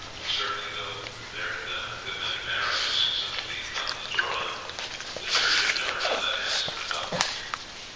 Certainly, though there had been a good many marriages since we had come to the Turon, the church had never held a handsomer couple.